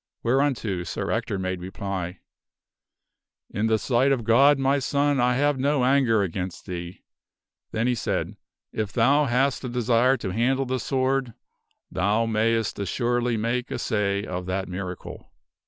Whereunto Sir Ector made reply, " In the sight of God, my son, I have no anger against thee." Then he said, " If thou hast a desire to handle the sword, thou mayst assuredly make assay of that miracle."